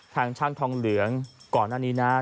ทางช่างทองเหลืองก่อนหน้านี้นะ